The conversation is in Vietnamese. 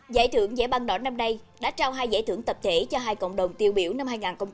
giải thưởng giải băng đỏ năm nay đã trao hai giải thưởng tập thể cho hai cộng đồng tiêu biểu năm hai nghìn hai mươi